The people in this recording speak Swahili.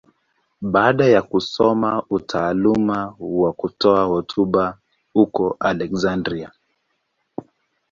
Baada ya kusoma utaalamu wa kutoa hotuba huko Aleksandria.